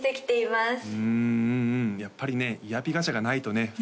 やっぱりねイヤピガチャがないとね